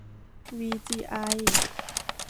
วีจีไอ